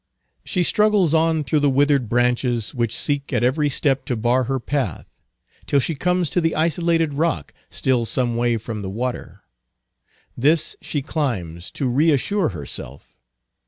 She struggles on through the withered branches, which seek at every step to bar her path, till she comes to the isolated rock, still some way from the water. This she climbs, to reassure herself.